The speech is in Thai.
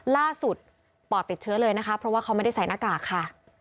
ปอดติดเชื้อเลยนะคะเพราะว่าเขาไม่ได้ใส่หน้ากากค่ะ